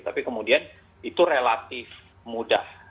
tapi kemudian itu relatif mudah